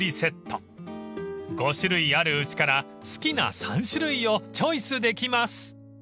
［５種類あるうちから好きな３種類をチョイスできます］